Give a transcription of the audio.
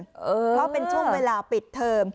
เพราะเป็นช่วงเวลาปิดเทอม